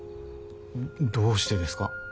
どうしてですか？